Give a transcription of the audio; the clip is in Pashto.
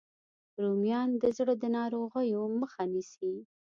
رومیان د زړه د ناروغیو مخه نیسي